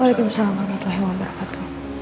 waalaikumsalam warahmatullahi wabarakatuh